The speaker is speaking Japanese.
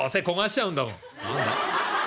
「何だ？